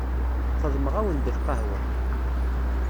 Xedmeɣ-awen-d lqahwa.